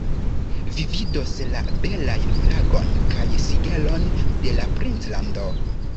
Vi vidos la belajn flagon kaj sigelon de la princlando.